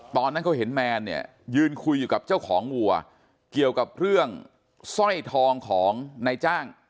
ตอนนั้นเขาเห็นแมนเนี่ยยืนคุยอยู่กับเจ้าของวัวเกี่ยวกับเรื่องสร้อยทองของนายจ้าง